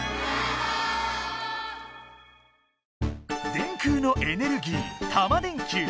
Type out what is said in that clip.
電空のエネルギー「タマ電Ｑ」。